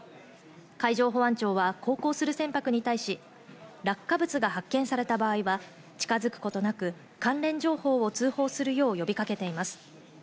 海上保安庁は航行する船舶に対し落下物が発見された場合は近づくことなく関連情報を通報するよう呼びかけています。